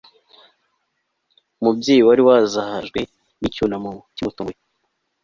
umubyeyi wari wazahajwe n'icyunamo kimutunguye